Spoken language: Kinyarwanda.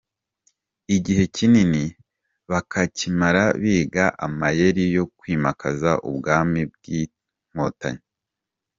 Igihe kinini bakakimara biga amayeri yo kwimakaza ubwami bw’Inkotanyi.